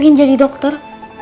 saya ingin jadi dokter